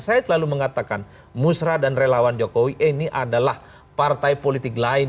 saya selalu mengatakan musrah dan relawan jokowi ini adalah partai politik lain